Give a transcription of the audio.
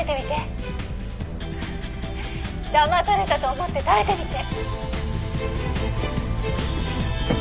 「だまされたと思って食べてみて」